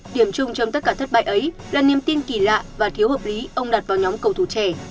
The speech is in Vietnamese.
điểm chung trong tất cả thất bại ấy là niềm tin kỳ lạ và thiếu hợp lý ông đặt vào nhóm cầu thủ trẻ